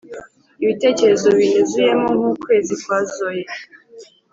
ibitekerezo binyuzuyemo nk’ukwezi kwazoye.